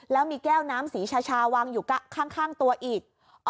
แล้วมีแก้วน้ำสีชาวางอยู่ข้างตัวอีก